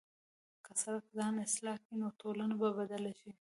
که سړی ځان اصلاح کړي، نو ټولنه به بدله شي.